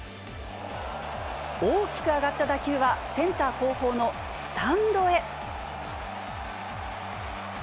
大きく上がった打球は、センター後方のスタンドへ。